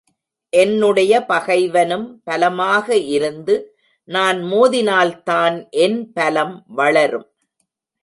என்னுடைய பகைவனும் பலமாக இருந்து நான் மோதினால்தான் என் பலம் வளரும்.